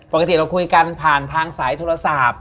ปกติเราคุยกันผ่านทางสายโทรศัพท์